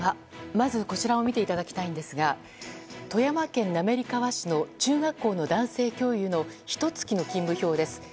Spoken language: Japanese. まず、こちらを見ていただきたいんですが富山県滑川市の中学校の男性教諭のひと月の勤務表です。